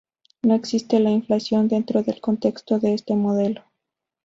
No existe la inflación dentro del contexto de este modelo.